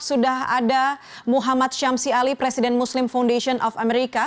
sudah ada muhammad syamsi ali presiden muslim foundation of america